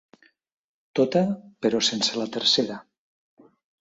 Tota, però sense la tercera.